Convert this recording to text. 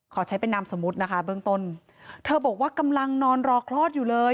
ขอใช้เป็นนามสมมุตินะคะเบื้องต้นเธอบอกว่ากำลังนอนรอคลอดอยู่เลย